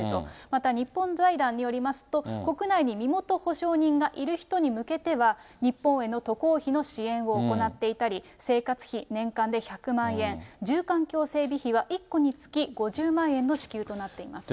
また、日本財団によりますと、国内に身元保証人がいる人に向けては、日本への渡航費の支援を行っていたり、生活費、年間で１００万円、住環境整備費は１戸につき５０万円の支給となっています。